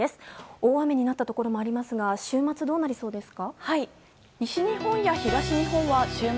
大雨になったところもありますが週末どうなりそうですか。